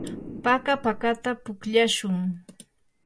paka pakata pukllashun.